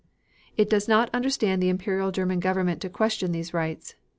It does not understand the Imperial German Government to question these rights.